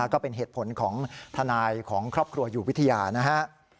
ก็เป็นเหตุผลของทนายของครอบครัวอยู่วิทยานะฮะ